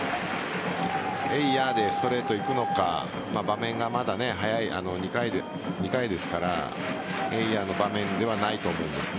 えいやでストレートいくのか場面がまだ早い２回ですからえいやの場面ではないと思うんです。